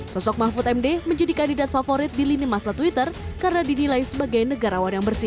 sosok mahfud md menjadi kandidat favorit di lini masa twitter karena dinilai sebagai negarawan yang bersih